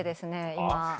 今。